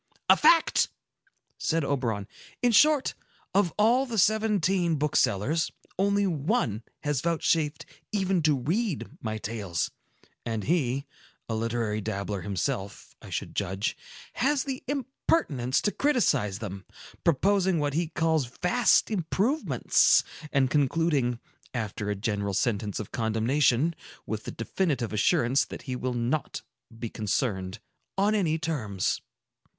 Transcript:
"A fact!" said Oberon. "In short, of all the seventeen booksellers, only one has vouchsafed even to read my tales; and he—a literary dabbler himself, I should judge—has the impertinence to criticise them, proposing what he calls vast improvements, and concluding, after a general sentence of condemnation, with the definitive assurance that he will not be concerned on any terms."